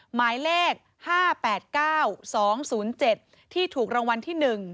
หมายเลข๕๘๙๒๐๗ที่ถูกรางวัลที่๑